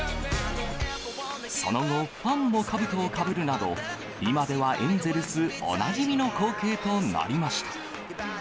その後、ファンもかぶとをかぶるなど、今ではエンゼルスおなじみの光景となりました。